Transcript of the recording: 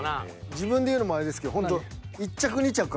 自分で言うのもあれですけどほんと